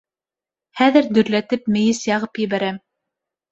- Хәҙер дөрләтеп мейес яғып ебәрәм.